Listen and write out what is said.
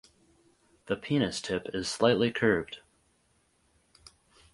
The penis tip is slightly curved.